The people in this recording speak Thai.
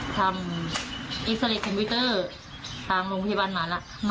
แต่เหมือนหมอตัวหมอเอง